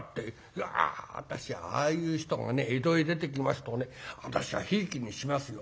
いや私はああいう人がね江戸へ出てきますとね私はひいきにしますよ。